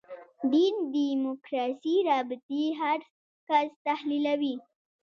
دین دیموکراسي رابطې هر کس تحلیلوي.